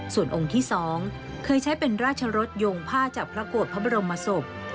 ส่วนองค์ที่๒เคยใช้เป็นราชรสโยงผ้าจากพระโกรธพระบรมศพ